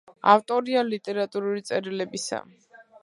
ავტორია ლიტერატურული წერილებისა.